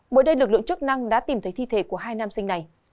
mới đây lực lượng chức năng đã tìm thấy thi thể của hai nam sinh này